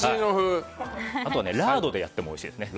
あとはラードでやってもおいしい。